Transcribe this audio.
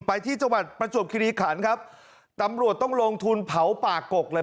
ไปที่จังหวัดประจวบคิริขันครับตำรวจต้องลงทุนเผาป่ากกเลย